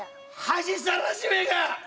恥さらしめが！